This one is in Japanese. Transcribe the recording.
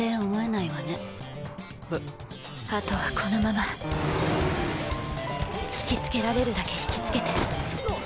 あとはこのまま引き付けられるだけ引き付けてんっ！